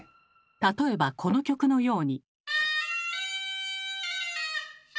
例えばこの曲のように。